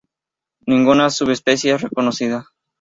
Ninguna subespecie es reconocida.